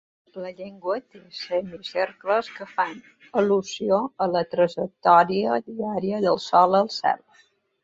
La llengua té semicercles que fan al·lusió a la trajectòria diària del Sol al cel.